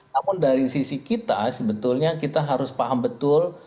namun dari sisi kita sebetulnya kita harus paham betul